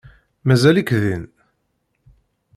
Mazal-ik din?